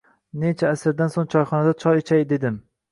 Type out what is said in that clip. Kecha asrdan so'ng choyxonadachoy ichay dedim.